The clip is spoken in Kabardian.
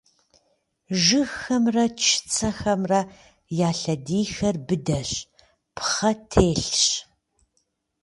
Жыгхэмрэ чыцэхэмрэ я лъэдийхэр быдэщ, пхъэ телъщ.